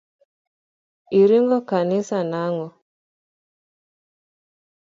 Iringo kanisa nang'o?